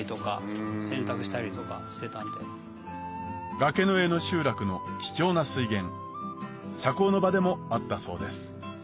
崖の上の集落の貴重な水源社交の場でもあったそうです